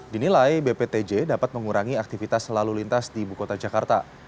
dinilai bptj dapat mengurangi aktivitas selalu lintas di bukota jakarta